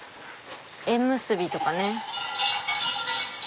縁結びとかね。